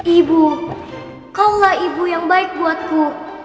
ibu kau lah ibu yang baik buatku